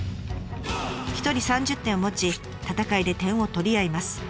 １人３０点を持ち戦いで点を取り合います。